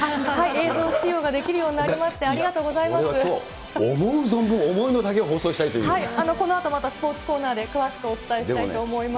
映像使用ができるようになりきょう、思う存分、このあと、またスポーツコーナーで詳しくお伝えしたいと思います。